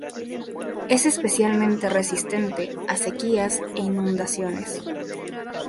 Es especialmente resistente a sequías e inundaciones.